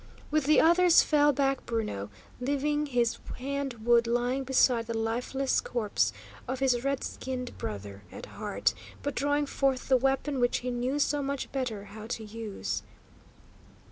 With the others fell back Bruno, leaving his hand wood lying beside the lifeless corpse of his redskinned brother at heart, but drawing forth the weapon which he knew so much better how to use.